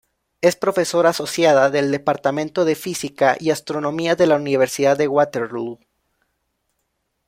Es profesora asociada del departamento de física y astronomía de la Universidad de Waterloo.